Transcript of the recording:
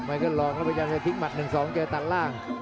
ไม่ก็ลองแล้วพยายามจะทิ้งหมัด๑๒เจอต่างร่าง